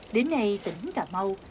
đến nay tỉnh cà mau